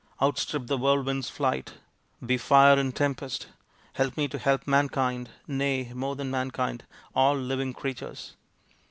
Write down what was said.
Outstrip the whirl wind's flight, be fire and tempest ! Help me to help mankind nay, more than mankind all living creatures."